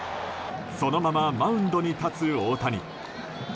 そのままマウンドに立つ大谷。